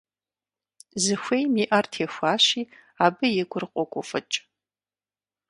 Зыхуейм и Ӏэр техуащи, абы и гур къогуфӀыкӀ.